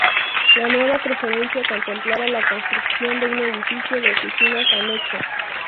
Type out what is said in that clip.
La nueva preferencia contemplaba la construcción de un edificio de oficinas anexo.